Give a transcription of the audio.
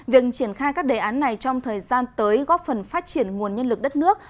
việc triển khai các đề án này trong thời gian tới góp phần phát triển nguồn nhân lực đất nước